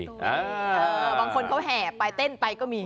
บางคนเขาแห่ไปเต้นไปก็มี